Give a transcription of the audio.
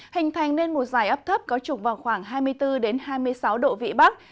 hình thành nên một dài áp thấp có trục vào khoảng hai mươi bốn hai mươi sáu độ vị bắc